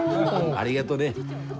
ありがどね。